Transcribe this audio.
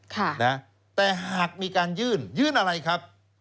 ค่ะนะแต่หากมีการยื่นยื่นอะไรครับ